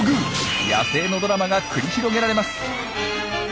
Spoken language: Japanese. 野生のドラマが繰り広げられます。